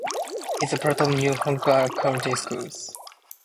It is a part of New Hanover County Schools.